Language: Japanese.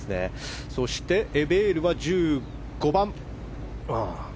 そしてエベールは１５番。